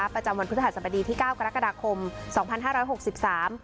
ประจำวันพฤหัสบดีที่เก้ากรกฎาคมสองพันห้าร้อยหกสิบสาม